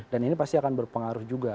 dan ini pasti akan berpengaruh juga